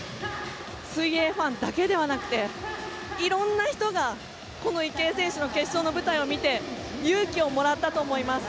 水泳ファンだけではなくて色んな人がこの池江選手の決勝の舞台を見て勇気をもらったと思います。